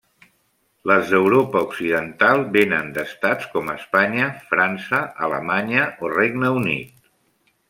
Les d'Europa Occidental vénen d'estats com Espanya, França, Alemanya o Regne Unit.